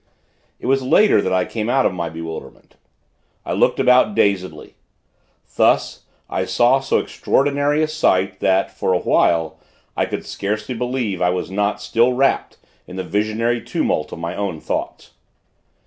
It was later, that I came out of my bewilderment. I looked about, dazedly. Thus, I saw so extraordinary a sight that, for a while, I could scarcely believe I was not still wrapped in the visionary tumult of my own thoughts.